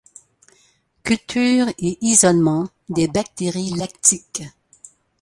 Culture et isolement des bactéries lactiques.